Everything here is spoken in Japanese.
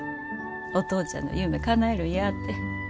「お父ちゃんの夢かなえるんや」て。